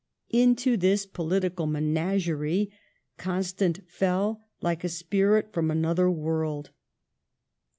Into this political menagerie Constant fell like a spirit from another world.